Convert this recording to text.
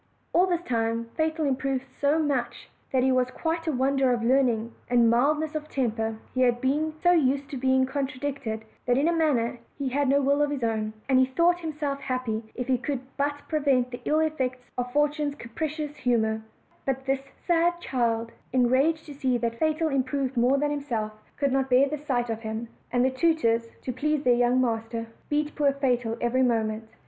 All this time Fatal improved so much' that he waa quite 118 OLD, OLD FAIRY TALES. a wonder of learning and mildness of temper: he had been so used to be contradicted that, in a manner, he had no will of his own; and he thought himself happy if he could but prevent the ill effects of Fortune's capricious humors; but this sad child, enraged to see that Fatal im proved more than himself, could not bear the sight of him, and the tutors, to please their young master, beat poor Fatal every moment.